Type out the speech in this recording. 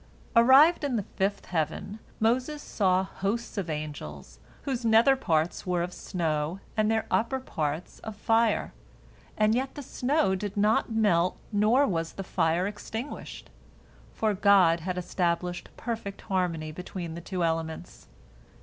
Arrived in the fifth heaven, Moses saw hosts of angels, whose nether parts were of snow and their upper parts of fire, and yet the snow did not melt nor was the fire extinguished, for God had established perfect harmony between the two elements.